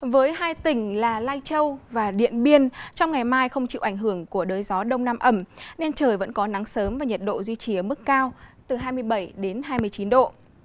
với hai tỉnh là lai châu và điện biên trong ngày mai không chịu ảnh hưởng của đới gió đông nam ẩm nên trời vẫn có nắng sớm và nhiệt độ duy trì ở mức cao từ hai mươi bảy hai mươi chín độ